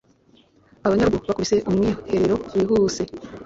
abanyarugo bakubise umwiherero wihuse.